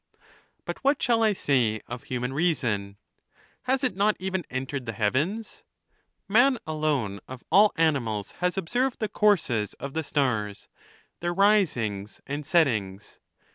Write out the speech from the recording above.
LXI. But what shall I say of human reason ? Has it not even entered the heavens ? Man alone of all animals has observed the courses of the stars, their risings and settings.